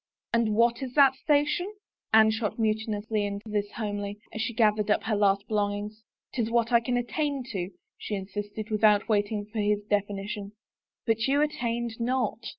"And what is that station?" Anne shot mutinously into this homily, as she gathered up her last belongings. " 'Tis what I can attain to," she insisted, without wait ing for his definition. " But you attained not."